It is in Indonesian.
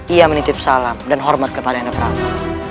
ia menitip salam dan hormat kepada ayanda prabu